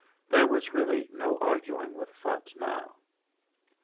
There was really no arguing with Phutt now.